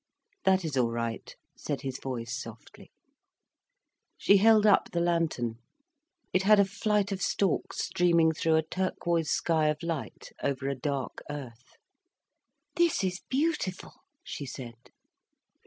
"That is all right," said his voice softly. She held up the lantern. It had a flight of storks streaming through a turquoise sky of light, over a dark earth. "This is beautiful," she said.